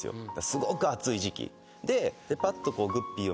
すごく暑い時期。